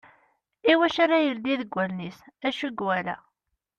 I wacu ara ileddi deg wallen-is? D ucu i yewala?